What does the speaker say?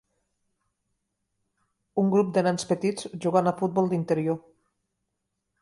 Un grup de nens petits jugant A futbol d'interior